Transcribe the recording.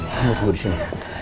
ya ampun rizky